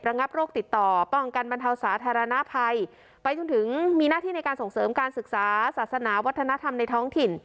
งับโรคติดต่อป้องกันบรรเทาสาธารณภัยไปจนถึงมีหน้าที่ในการส่งเสริมการศึกษาศาสนาวัฒนธรรมในท้องถิ่น